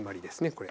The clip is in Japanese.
これ。